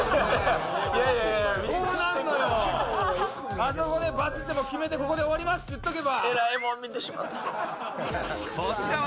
あそこでバチッと決めてここで終わりますって言っておけば。